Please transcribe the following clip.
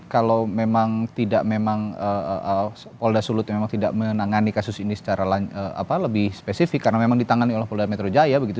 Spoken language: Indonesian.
kalau memang tidak memang polda sulut memang tidak menangani kasus ini secara lebih spesifik karena memang ditangani oleh polda metro jaya begitu